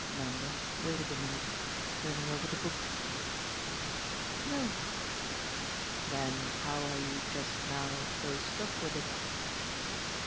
Nanda waited a minute, turning over the book. "No." "Then how are you just now so struck with it?"